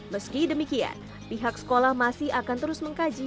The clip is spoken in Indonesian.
meski demikian pihak sekolah masih akan terus mengkaji